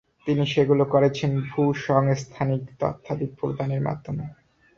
তিনি সেগুলো করেছেন ভূসংস্থানিক তথ্যাদি প্রদানের মাধ্যমে।